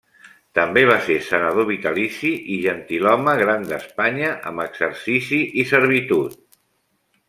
També va ser Senador vitalici i Gentilhome Gran d'Espanya amb exercici i servitud.